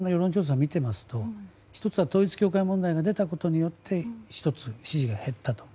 今回いろいろな世論調査見てますと１つは統一教会問題が出たことによって支持が減ったと。